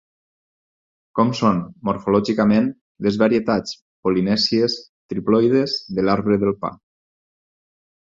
Com són morfològicament les varietats polinèsies triploides de l'arbre del pa?